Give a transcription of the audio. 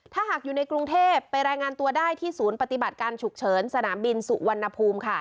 ถ้าหากอยู่ในกรุงเทพไปรายงานตัวได้ที่ศูนย์ปฏิบัติการฉุกเฉินสนามบินสุวรรณภูมิค่ะ